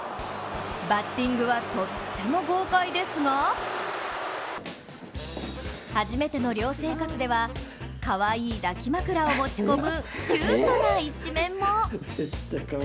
バッティングはとっても豪快ですが初めての寮生活ではかわいい抱き枕を持ち込むキュートな一面も。